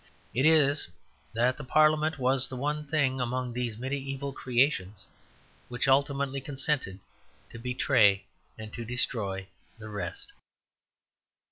It is that the Parliament was the one among these mediæval creations which ultimately consented to betray and to destroy the rest.